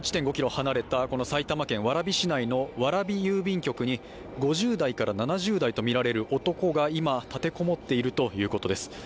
離れた埼玉県蕨市内の蕨郵便局に５０代から７０代とみられる男が今、立て籠もっているということです。